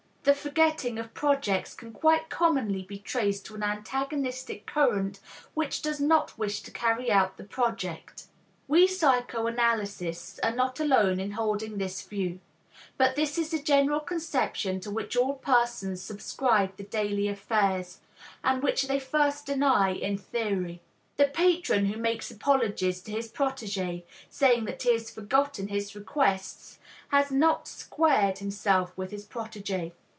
The forgetting of projects can quite commonly be traced to an antagonistic current which does not wish to carry out the project. We psychoanalysts are not alone in holding this view, but this is the general conception to which all persons subscribe the daily affairs, and which they first deny in theory. The patron who makes apologies to his protegé, saying that he has forgotten his requests, has not squared himself with his protegé.